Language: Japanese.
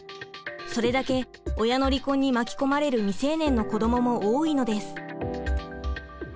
それだけ親の離婚に巻き込まれる未成年の子どもも多いのです。